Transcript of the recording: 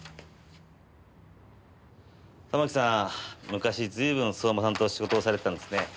玉木さん昔随分相馬さんと仕事をされてたんですね。